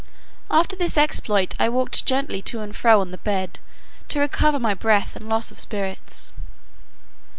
After this exploit, I walked gently to and fro on the bed, to recover my breath and loss of spirits.